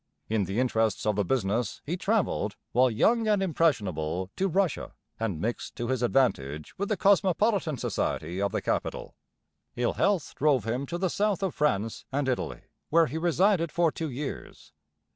In the interests of the business he travelled, while young and impressionable, to Russia, and mixed to his advantage with the cosmopolitan society of the capital. Ill health drove him to the south of France and Italy, where he resided for two years.